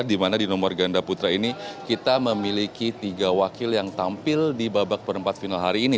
di mana di nomor ganda putra ini kita memiliki tiga wakil yang tampil di babak perempat final hari ini